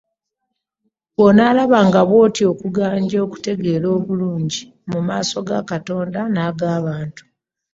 Bw'onoolabanga bw'otyo okuganja n'okutegeera okulungi Mu maaso ga Katonda n'ag'abantu.